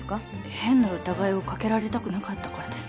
変な疑いをかけられたくなかったからです